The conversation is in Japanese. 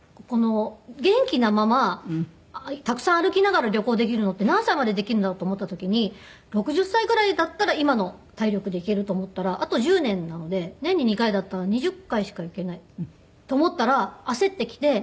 元気なままたくさん歩きながら旅行できるのって何歳までできるんだろう？と思った時に６０歳ぐらいだったら今の体力で行けると思ったらあと１０年なので年に２回だったら２０回しか行けないと思ったら焦ってきて。